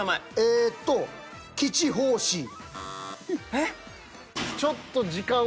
えっ？